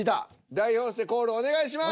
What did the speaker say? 代表してコールお願いします。